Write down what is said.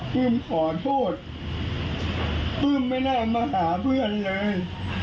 ปลื้มขอโทษปื้มไม่น่ามาหาเพื่อนเลย